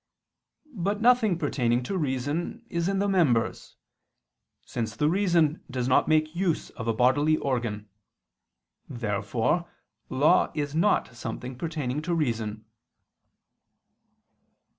But nothing pertaining to reason is in the members; since the reason does not make use of a bodily organ. Therefore law is not something pertaining to reason.